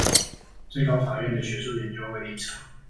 最高法院的學術研究會立場